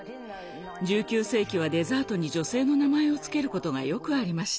１９世紀はデザートに女性の名前を付けることがよくありました。